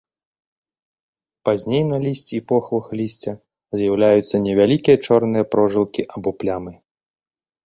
Пазней на лісці і похвах лісця з'яўляюцца невялікія чорныя прожылкі або плямы.